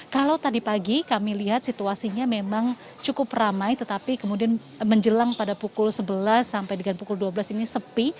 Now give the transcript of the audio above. kalau tadi pagi kami lihat situasinya memang cukup ramai tetapi kemudian menjelang pada pukul sebelas sampai dengan pukul dua belas ini sepi